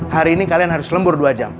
hari ini kalian harus lembur dua jam